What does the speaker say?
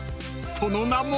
［その名も］